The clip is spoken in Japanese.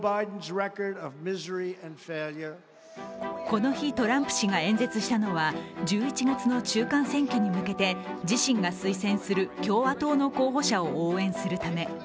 この日、トランプ氏が演説したのは１１月の中間選挙に向けて自身が推薦する共和党の候補者を応援するため。